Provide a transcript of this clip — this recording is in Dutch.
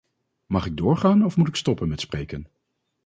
Mag ik doorgaan of moet ik stoppen met spreken?